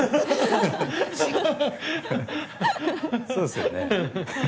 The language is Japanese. そうですよね。